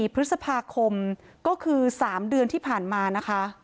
พฤษภาคมก็คือ๓เดือนที่ผ่านมานะคะ